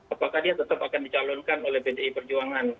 apakah dia tetap akan dicalonkan oleh pdi perjuangan